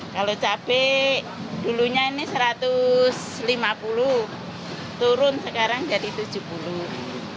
kalau cabai dulunya ini seratus lima puluh turun sekarang jadi tujuh puluh